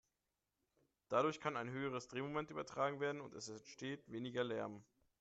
Dadurch kann ein höheres Drehmoment übertragen werden und es entsteht weniger Lärm.